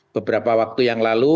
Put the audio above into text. beberapa waktu yang lalu